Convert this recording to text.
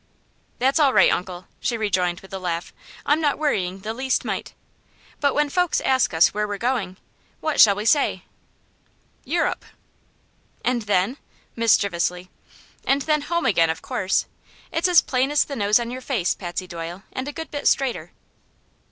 "That's all right, Uncle," she rejoined, with a laugh. "I'm not worrying the least mite. But when folks ask us where we're going, what shall we say?" "Eu rope." "And then?" mischievously. "And then home again, of course. It's as plain as the nose on your face, Patsy Doyle, and a good bit straighter."